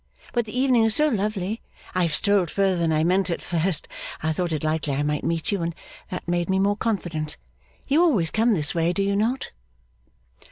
But the evening is so lovely, I have strolled further than I meant at first. I thought it likely I might meet you, and that made me more confident. You always come this way, do you not?